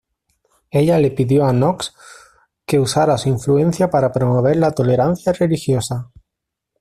Ella le pidió a Knox que usara su influencia para promover la tolerancia religiosa.